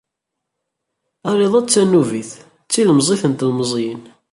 Ariḍa d tanubit, d tilemẓit n telmeẓyin.